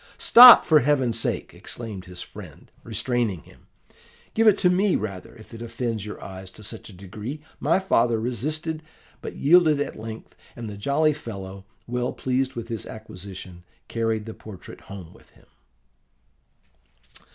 "'Stop, for Heaven's sake!' exclaimed his friend, restraining him: 'give it to me, rather, if it offends your eyes to such a degree.' My father resisted, but yielded at length; and the jolly fellow, well pleased with his acquisition, carried the portrait home with him.